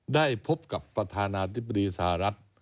ได้พบกับประธานาธิบดีสหรัฐ